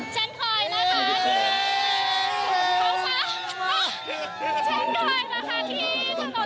เช่นคอยนะคะ